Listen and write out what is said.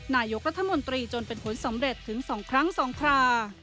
นายกรัฐมนตรีจนเป็นผลสำเร็จถึง๒ครั้ง๒ครา